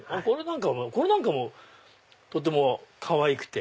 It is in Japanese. これなんかもとてもかわいくて。